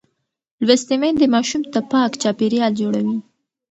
لوستې میندې ماشوم ته پاک چاپېریال جوړوي.